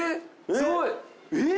すごい。えっ？